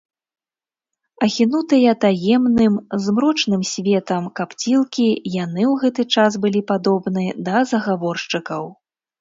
Ахінутыя таемным, змрочным светам капцілкі, яны ў гэты час былі падобны да загаворшчыкаў.